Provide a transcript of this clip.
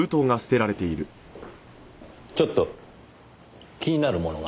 ちょっと気になるものが。